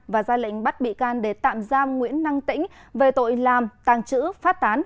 và ra lệnh bắt bị can để tạm giam nguyễn năng tĩnh về tội làm tàng trữ phát tán